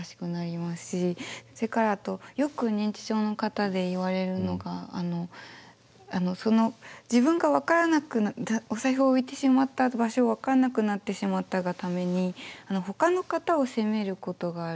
それからあとよく認知症の方でいわれるのがその自分が分からなくお財布を置いてしまった場所を分かんなくなってしまったがためにほかの方を責めることがある。